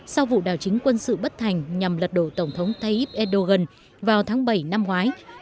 sau vụ đảo chính quân sự bất thành nhằm lật đổ tổng thống tayyip erdogan vào tháng bảy năm ngoái